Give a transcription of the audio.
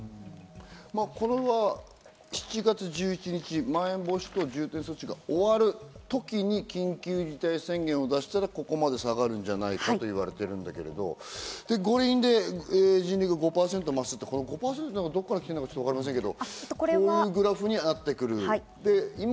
これは７月１１日、まん延防止等重点措置が終わるときに緊急事態宣言を出したらここまで下がるんじゃないかといわれているんだけど、で、五輪で人流が５％増すっていうのは、どこから来たか知りませんけど、こういうグラフになってくる。